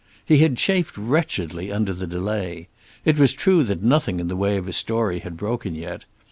He had chafed wretchedly under the delay. It was true that nothing in the way of a story had broken yet.